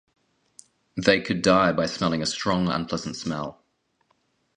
They could die by smelling a strong, unpleasant smell.